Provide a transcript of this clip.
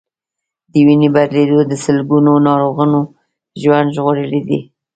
د وینې بدلېدل د سلګونو ناروغانو ژوند ژغورلی دی.